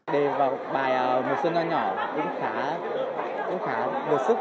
đề vào bài một xuân nói nhỏ cũng khá đột sức